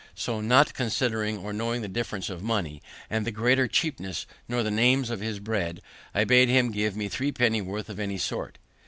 So not considering or knowing the difference of money, and the greater cheapness nor the names of his bread, I bade him give me three penny worth of any sort.